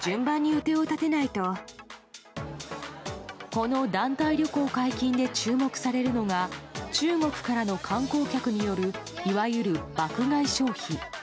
この団体旅行解禁で注目されるのが中国からの観光客によるいわゆる爆買い消費。